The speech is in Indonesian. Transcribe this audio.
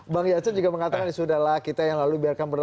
bang jansen juga mengatakan ya sudah lah kita yang lalu biarkan berla